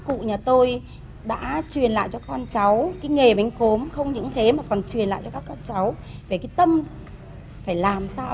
các cụ nhà tôi đã truyền lại cho con cháu nghề bánh cốm không những thế mà cũng truyền lại cho các con cháu về cái tâm phải làm sao